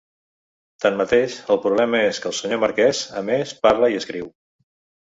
Tanmateix, el problema és que el senyor marquès, a més, parla i escriu.